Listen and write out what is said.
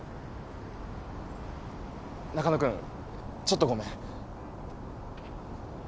中野くんちょっとごめん。